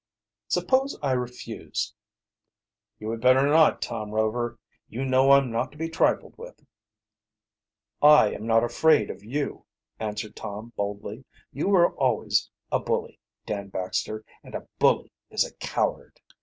"Suppose I refuse." "You had better not, Tom Rover. You know I'm not to be trifled with." "I am not afraid of you," answered Tom boldly. "You were always a bully, Dan Baxter, and a bully is a coward."